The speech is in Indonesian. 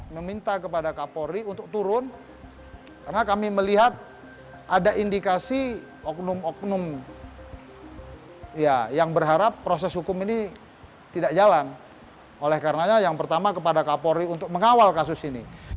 meminta kepada kapolri untuk turun karena kami melihat ada indikasi oknum oknum yang berharap proses hukum ini tidak jalan oleh karenanya yang pertama kepada kapolri untuk mengawal kasus ini